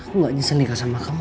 aku gak nyesel nikah sama kamu